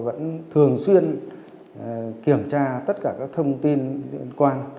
vẫn thường xuyên kiểm tra tất cả các thông tin liên quan